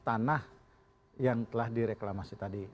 tanah yang telah direklamasi tadi